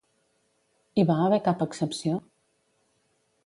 Hi va haver cap excepció?